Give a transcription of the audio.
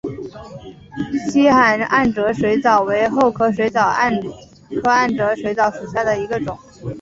希罕暗哲水蚤为厚壳水蚤科暗哲水蚤属下的一个种。